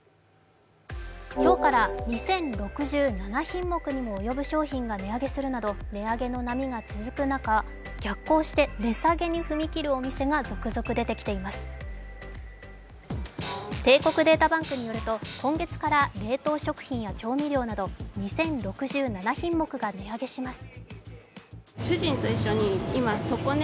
今日から２０６７品目にも及ぶ商品が値上げするなど値上げの波が続く中、逆行して値下げに踏み切るお店が続々出てきています、帝国データバンクによると今月から冷凍食品や調味料など２０６７品目が値上げします。